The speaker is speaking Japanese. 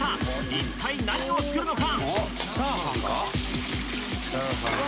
一体何を作るのか？